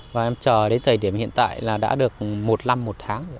và em chờ đến thời điểm hiện tại là đã được một năm một tháng